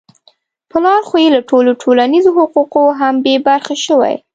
پلار خو يې له ټولو ټولنیزو حقوقو هم بې برخې شوی.